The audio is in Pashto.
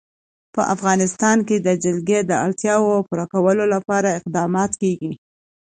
په افغانستان کې د جلګه د اړتیاوو پوره کولو لپاره اقدامات کېږي.